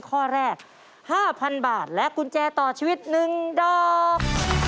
ข้อแรก๕๐๐๐บาทและกุญแจต่อชีวิต๑ดอก